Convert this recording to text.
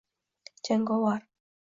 Jangovar